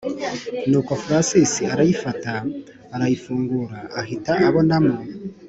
nuko francis arayifata arayifungura ahita abonamo